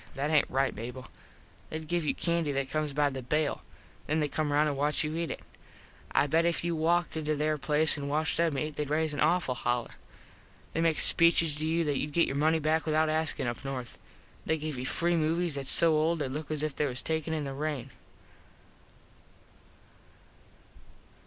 That aint right, Mable. They give you candy that comes by the bale. Then they come round an watch you eat it. I bet if you walked into there place an watched them eat theyd raise an awful holler. They make speeches to you that youd get your money back without askin up north. They give you free movies thats so old they look as if they was taken in the rain.